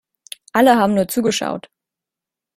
Alle haben nur zugeschaut.